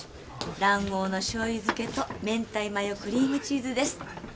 卵黄の醤油漬けと明太マヨクリームチーズです